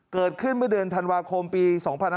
เกิดขึ้นเมื่อเดือนธันวาคมปี๒๕๕๙